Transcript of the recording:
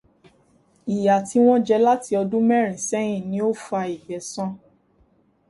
ìyà tí wọn jẹ láti ọdún mẹ́rin sẹ́yìn ni ó fa ìgbẹ̀san.